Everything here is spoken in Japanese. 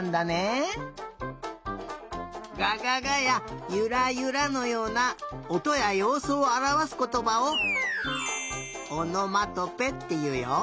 「ががが」や「ゆらゆら」のようなおとやようすをあらわすことばを「おのまとぺ」っていうよ。